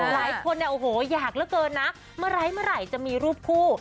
หลายคนเนี่ยโอ้โหอยากเกินนะเมื่อไหร่จะมีรูปคู่